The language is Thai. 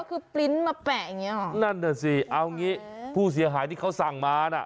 คือปริ้นต์มาแปะอย่างเงี้หรอนั่นน่ะสิเอางี้ผู้เสียหายที่เขาสั่งมาน่ะ